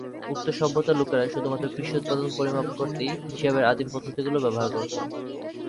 উক্ত সভ্যতার লোকেরা শুধুমাত্র কৃষি উৎপাদন পরিমাপ করতেই হিসাবের আদিম পদ্ধতিগুলো ব্যবহার করত।